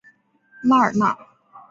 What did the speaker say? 拉尔纳。